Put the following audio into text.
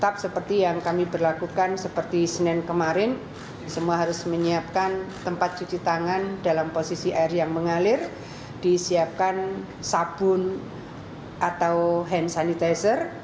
pembagian kemarin semua harus menyiapkan tempat cuci tangan dalam posisi air yang mengalir disiapkan sabun atau hand sanitizer